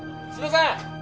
すいません。